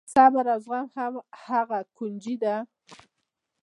صبر او زغم هغه کونجي ده.